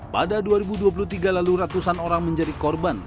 pada dua ribu dua puluh tiga lalu ratusan orang menjadi korban